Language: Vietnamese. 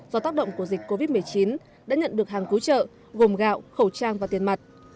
do tác động của dịch covid một mươi chín đã nhận được hàng cứu trợ gồm gạo khẩu trang và tiền mặt